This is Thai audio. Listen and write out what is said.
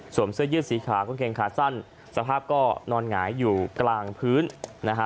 เสื้อยืดสีขาวกางเกงขาสั้นสภาพก็นอนหงายอยู่กลางพื้นนะฮะ